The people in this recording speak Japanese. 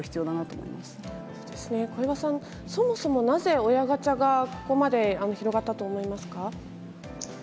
そうですね、小岩さん、そもそもなぜ、親ガチャがここまで広がったと思いますか？